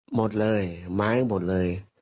หมดเลยไม้หมดเลย